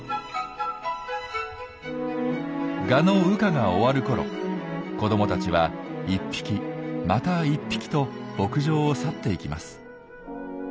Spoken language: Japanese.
ガの羽化が終わるころ子どもたちは１匹また１匹と牧場を去っていきます。